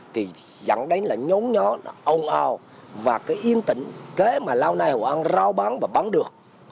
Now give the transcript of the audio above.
thì dẫn đến là nhốm nhó ồn ào và cái yên tĩnh kế mà lâu nay hội an rao bán và bán được